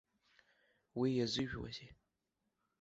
Уи иазыжәуазеи.